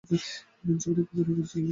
ছবিটি পরিচালনা করেছেন লিন্ডসে এন্ডারসন।